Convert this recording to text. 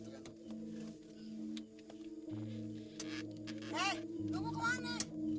hei lu mau kemana